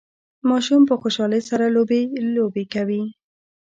ماشوم په خوشحالۍ سره لوبي لوبې کوي